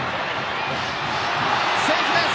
セーフです。